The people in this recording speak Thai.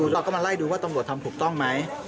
เราก็มาไล่ดูว่าตำรวจทำถูกต้องไหม